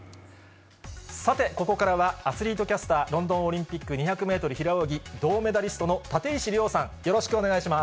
さて、ここからはアスリートキャスター、ロンドンオリンピック２００メートル平泳ぎ銅メダリストの立石諒お願いします。